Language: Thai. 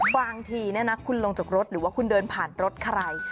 บางทีคุณลงจากรถหรือว่าคุณเดินผ่านรถใคร